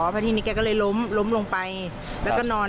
พอทีนี้แกก็เลยล้มล้มลงไปแล้วก็นอน